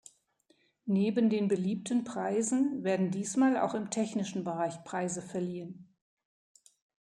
Neben den beliebten Preisen werden diesmal auch im technischen Bereich Preise verliehen.